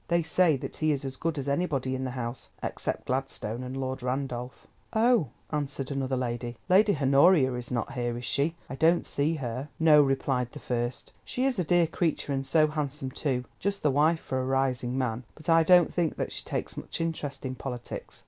They say that he is as good as anybody in the House, except Gladstone, and Lord Randolph." "Oh!" answered another lady. "Lady Honoria is not here, is she? I don't see her." "No," replied the first; "she is a dear creature, and so handsome too—just the wife for a rising man—but I don't think that she takes much interest in politics.